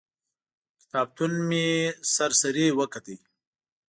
کتابتون مې سر سري وکت.